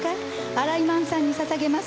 新井満さんにささげます。